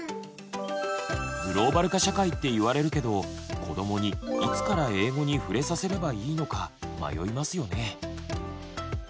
グローバル化社会って言われるけど子どもにいつから英語に触れさせればいいのか迷いますよね。